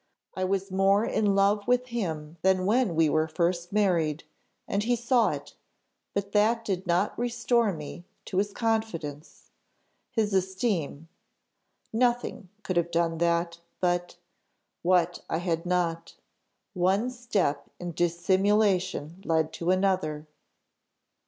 I was more in love with him than when first we were married, and he saw it, but that did not restore me to his confidence his esteem; nothing could have done that, but what I had not. One step in dissimulation led to another.